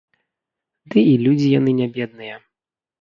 Ды і людзі яны не бедныя.